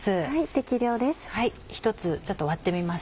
適量です。